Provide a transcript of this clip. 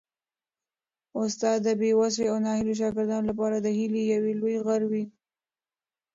استاد د بې وسه او ناهیلو شاګردانو لپاره د هیلې یو لوی غر وي.